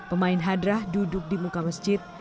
pemain hadrah duduk di muka masjid